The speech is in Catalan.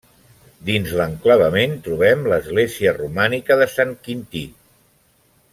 Dins l'enclavament trobem l'església romànica de Sant Quintí.